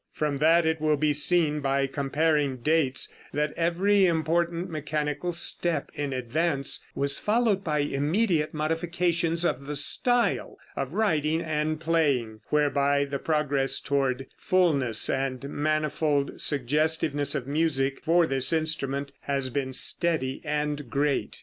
From that it will be seen, by comparing dates, that every important mechanical step in advance was followed by immediate modifications of the style of writing and playing, whereby the progress toward fullness and manifold suggestiveness of music for this instrument has been steady and great.